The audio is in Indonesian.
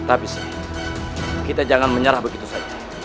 tapi kita jangan menyerah begitu saja